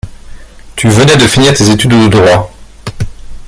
Tu venais de finir tes études de droit.